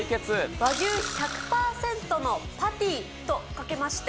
和牛１００％のパティとかけまして。